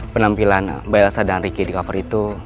penampilan mbak elsa dan ricky di cover itu